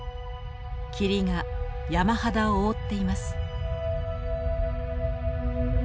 霧が山肌を覆っています。